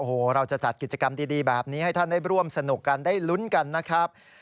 โอ้โหเราจะจัดกิจกรรมดีแบบนี้ให้ท่านได้ร่วมสนุกกันได้ลุ้นกันนะครับ